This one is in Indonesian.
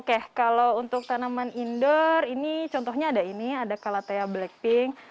oke kalau untuk tanaman indoor ini contohnya ada ini ada calatea blackpink